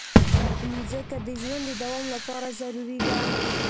مځکه د ژوند د دوام لپاره ضروري ده.